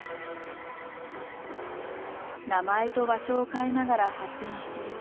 名前と場所を変えながら発展し続け